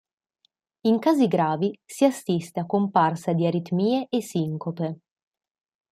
In casi gravi si assiste a comparsa di aritmie e sincope.